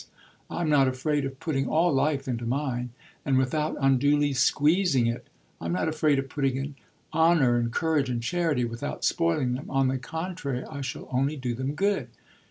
I'm not afraid of putting all life into mine, and without unduly squeezing it. I'm not afraid of putting in honour and courage and charity without spoiling them: on the contrary I shall only do them good.